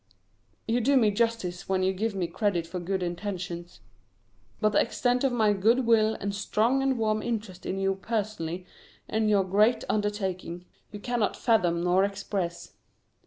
You do me justice when you give me credit for good intentions; but the extent of my good will and strong and warm interest in you personally and your great undertaking, you cannot fathom nor express.